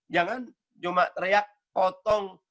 jangan cuma teriak potong